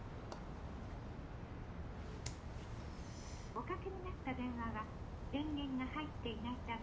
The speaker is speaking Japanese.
おかけになった電話は電源が入っていないため。